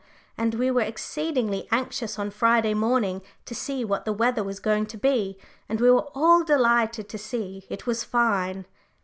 And we were exceedingly anxious on Friday morning to see what the weather was going to be, and we were all delighted to see it was fine.